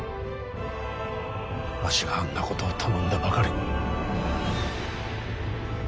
わしがあんなことを頼んだばかりに。